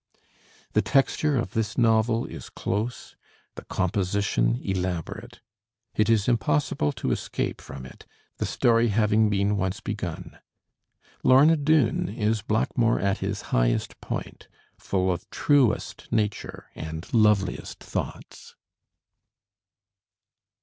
The texture of this novel is close, the composition elaborate. It is impossible to escape from it, the story having been once begun. 'Lorna Doone' is Blackmore at his highest point, full of truest nature and loveliest thoughts.